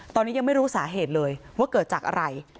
ตอนนี้ยังไม่รู้สาเหตุเลยว่าเกิดจากอะไร